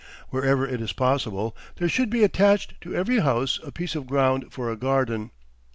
Wherever it is possible, there should be attached to every house a piece of ground for a garden.